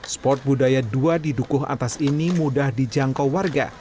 sport budaya dua di dukuh atas ini mudah dijangkau warga